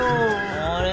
あれ？